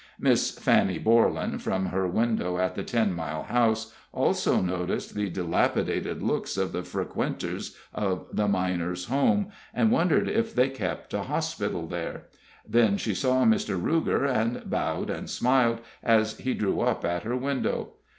Miss Fanny Borlan, from her window at the Ten Mile House, also noticed the dilapidated looks of the frequenters of the Miners' Home, and wondered if they kept a hospital there. Then she saw Mr. Ruger, and bowed and smiled as he drew up at her window.